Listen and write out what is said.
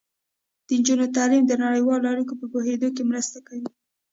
د نجونو تعلیم د نړیوالو اړیکو په پوهیدو کې مرسته کوي.